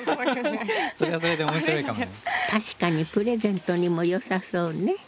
確かにプレゼントにもよさそうね。